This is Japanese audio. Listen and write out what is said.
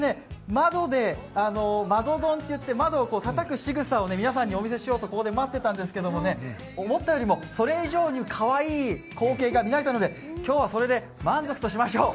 窓ドンといって、窓をたたく様子を皆さんにお見せしようとここで待ってたんですけどそれ以上にかわいい光景が見られたので、今日はそれで満足としましょう。